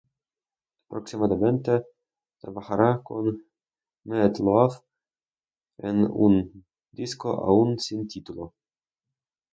Próximamente trabajara con Meat Loaf, en un disco aún sin título.